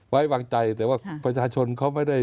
ไว้วางใจแต่ว่าประชาชนเขาไม่ได้